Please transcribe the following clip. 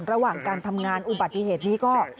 ระหว่างการทำงานอุบัติเหตุนี้ก็